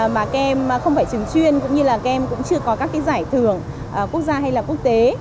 mà kem không phải trường chuyên cũng như là kem cũng chưa có các giải thưởng quốc gia hay là quốc tế